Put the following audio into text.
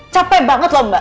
capek banget loh mbak